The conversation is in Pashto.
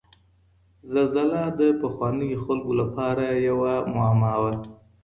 زلزله د پخوانیو خلګو لپاره یوه معما وه.